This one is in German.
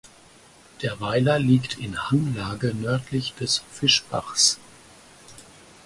Der Weiler liegt in Hanglage nördlich des Fischbachs.